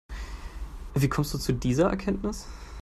Wie kommst du zu dieser Erkenntnis?